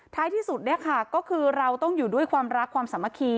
ท้ายที่สุดเนี่ยค่ะก็คือเราต้องอยู่ด้วยความรักความสามัคคี